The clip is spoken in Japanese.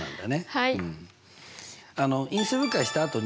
はい。